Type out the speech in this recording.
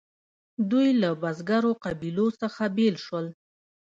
دوی له بزګرو قبیلو څخه بیل شول.